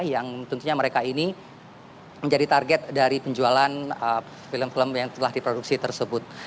yang tentunya mereka ini menjadi target dari penjualan film film yang telah diproduksi tersebut